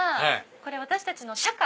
これ私たちの社歌。